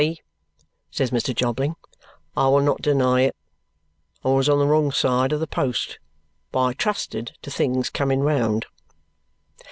"Guppy," says Mr. Jobling, "I will not deny it. I was on the wrong side of the post. But I trusted to things coming round."